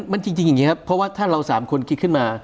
มันจริงอย่างนี้ครับเพราะว่าถ้าเรา๓คนคิดขึ้นมา